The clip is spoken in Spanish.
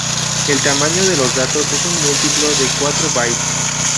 El tamaño de los datos es un múltiplo de cuatro bytes.